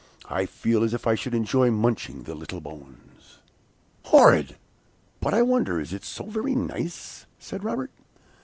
I feel as if I should enjoy munching the little bones!'" "Horrid! but I wonder is it so very nice?" said Robert.